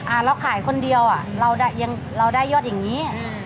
อ่าเพราะขายเดียวบ้างเราได้ยอดอย่างนี้